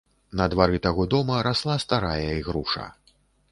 На двары таго дома расла старая ігруша.